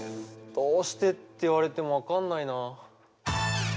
どうしてって言われても分かんないな。